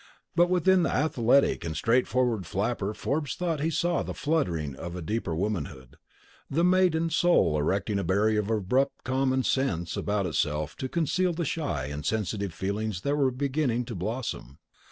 But within the athletic and straightforward flapper Forbes thought he saw the fluttering of deeper womanhood; the maiden soul erecting a barrier of abrupt common sense about itself to conceal the shy and sensitive feelings that were beginning to blossom.